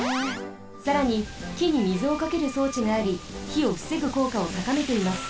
さらにきに水をかけるそうちがありひをふせぐこうかをたかめています。